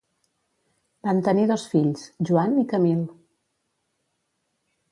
Van tenir dos fills, Joan i Camil.